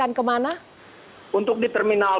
yang berat tujuh verdi